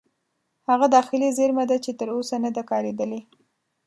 هغه داخلي زیرمه ده چې تر اوسه نه ده کارېدلې.